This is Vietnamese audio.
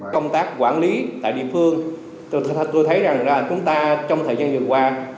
công tác quản lý tại địa phương tôi thấy rằng là chúng ta trong thời gian này